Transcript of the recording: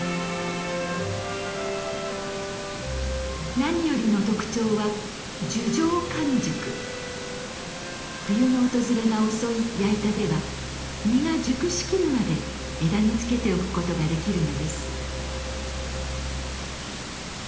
何よりの特徴は冬の訪れが遅い矢板では実が熟しきるまで枝につけておくことができるのです。